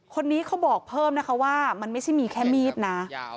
คนนี้เขาบอกเพิ่มนะคะว่ามันไม่ใช่มีแค่มีดนะ